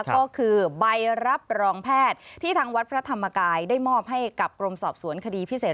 ก็คือใบรับรองแพทย์ที่ทางวัดพระธรรมกายได้มอบให้กับกรมสอบสวนคดีพิเศษ